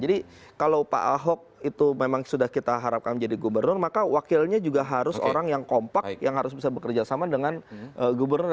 jadi kalau pak ahok itu memang sudah kita harapkan menjadi gubernur maka wakilnya juga harus orang yang kompak yang harus bisa bekerja sama dengan gubernur